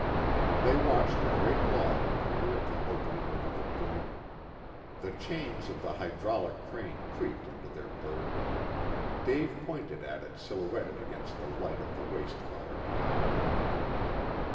They watched a great log appear at the opening over the boom. The chains of the hydraulic crane creaked under their burden. Dave pointed at it silhouetted against the light of the waste fire beyond.